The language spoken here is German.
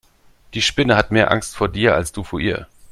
Die Spinne hat mehr Angst vor dir als du vor ihr.